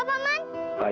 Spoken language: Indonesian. tunggu pak man